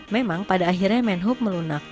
memang pada akhirnya menhub melunak